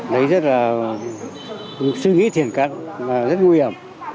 đấy rất là suy nghĩ thiền cận rất nguy hiểm